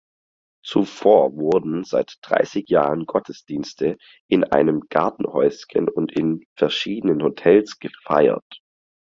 Zuvor wurden seit dreissig Jahren Gottesdienste in einem Gartenhäuschen und in verschiedenen Hotels gefeiert.